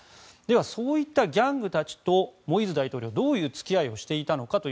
そういったギャングたちとモイーズ大統領は、どういう付き合いをしていたのか。